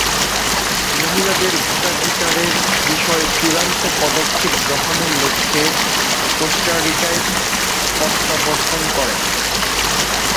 মহিলাদের ভোটাধিকারের বিষয়ে চূড়ান্ত পদক্ষেপ গ্রহণের লক্ষ্যে কোস্টারিকায় প্রত্যাবর্তন করেন।